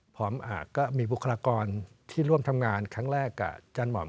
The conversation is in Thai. อาจารย์หม่อมก็มีบุคลากรที่ร่วมทำงานครั้งแรกกับอาจารย์หม่อม